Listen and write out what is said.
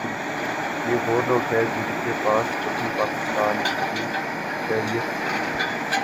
یہ وہ لوگ ہیں جن کے پاس کبھی پاکستانی شہریت تھی